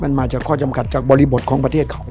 มันมาจากข้อจำกัดจากบริบทของประเทศเขา